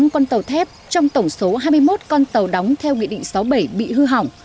năm con tàu thép trong tổng số hai mươi một con tàu đóng theo nghị định sáu mươi bảy bị hư hỏng